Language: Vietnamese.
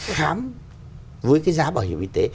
khám với cái giá bảo hiểm y tế